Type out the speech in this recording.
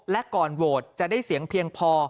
และก่อนโหวตจะได้เสียงเพียงพอ